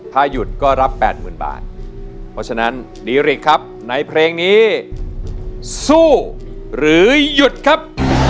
ถ้าหยุดก็รับ๘๐๐๐บาทเพราะฉะนั้นดีริกครับในเพลงนี้สู้หรือหยุดครับ